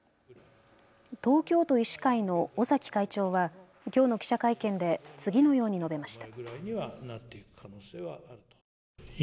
東京都医師会の尾崎会長はきょうの記者会見で次のように述べました。